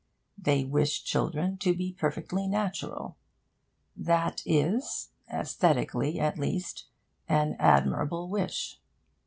They wish children to be perfectly natural. That is (aesthetically at least) an admirable wish.